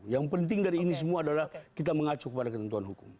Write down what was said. yang penting dari ini semua adalah kita mengacu kepada ketentuan hukum